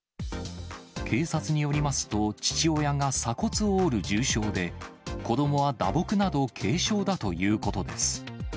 警察によりますと、父親が鎖骨を折る重傷で、子どもは打撲など軽傷だということです。